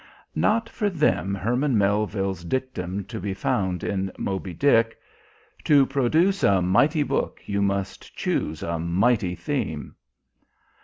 Not for them Herman Melville's dictum, to be found in Moby Dick: "To produce a mighty book you must choose a mighty theme."